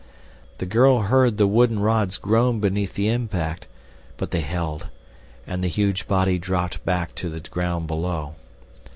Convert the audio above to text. The girl heard the wooden rods groan beneath the impact; but they held, and the huge body dropped back to the ground below.